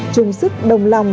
trung sức đồng lòng